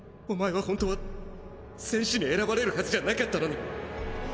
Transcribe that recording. お前は本当は戦士に選ばれるはずじゃなかったのに。